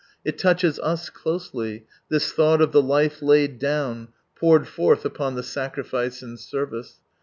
It touches us closely, this thought of the life laid down, poured forth upon the sacrifice and service.